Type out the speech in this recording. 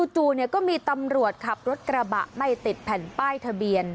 จู่ก็มีตำรวจขับรถกระบะไม่ติดแผ่นป้ายทะเบียน